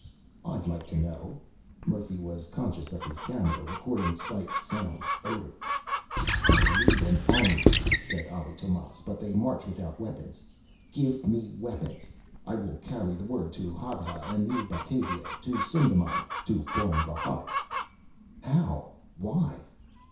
"I'd like to know." Murphy was conscious of his camera, recording sight, sound, odor. "I lead an army," said Ali Tomás, "but they march without weapons. Give me weapons! I will carry the word to Hadra, to New Batavia, to Sundaman, to Boeng Bohôt!" "How? Why?"